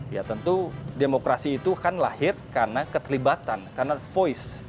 ya tentu demokrasi itu kan lahir karena keterlibatan karena voice